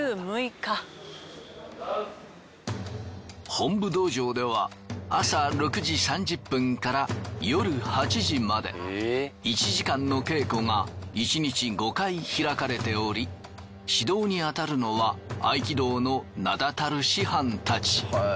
本部道場では朝６時３０分から夜８時まで１時間の稽古が１日５回開かれており指導にあたるのは合気道の名だたる師範たち。